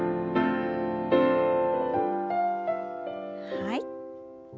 はい。